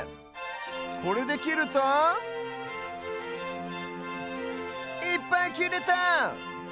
これできるといっぱいきれた！